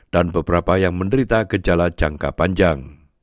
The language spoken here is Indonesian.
dan beberapa yang menderita gejala jangka panjang